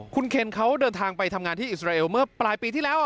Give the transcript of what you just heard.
คุณเคนเขาเดินทางไปทำงานที่อิสราเอลเมื่อปลายปีที่แล้ว